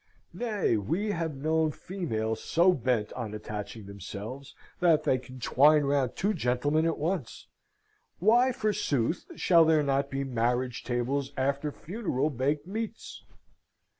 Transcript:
Nay, we have known females so bent on attaching themselves, that they can twine round two gentlemen at once. Why, forsooth, shall there not be marriage tables after funeral baked meats?